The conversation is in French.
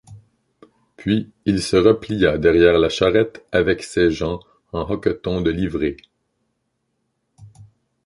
Puis il se replia derrière la charrette avec ses gens en hoquetons de livrée.